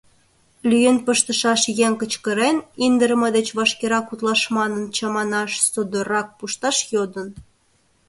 Лӱен пыштышаш еҥ кычкырен, индырыме деч вашкерак утлаш манын, чаманаш, содоррак пушташ йодын.